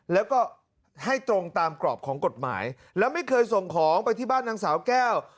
แล้วก็ให้ตรงตามกรอบของกฎหมายแล้วไม่เคยส่งของไปที่บ้านนางสาวแก้ว